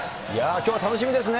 きょうは楽しみですね。